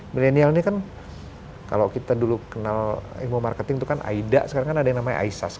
milenial ini kan kalau kita dulu kenal ilmu marketing itu kan aida sekarang kan ada yang namanya isas